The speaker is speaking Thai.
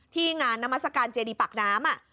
ที่งานนามัศกาลเจดีปากน้ำ